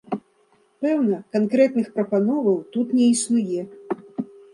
Пэўна, канкрэтных прапановаў тут не існуе.